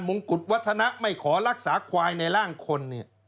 งกุฎวัฒนะไม่ขอรักษาควายในร่างคนเนี่ย